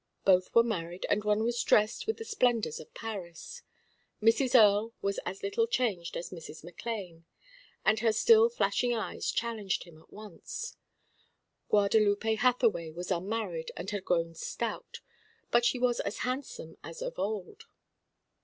Both were married, and one was dressed with the splendours of Paris. Mrs. Earle was as little changed as Mrs. McLane, and her still flashing eyes challenged him at once. Guadalupe Hathaway was unmarried and had grown stout; but she was as handsome as of old.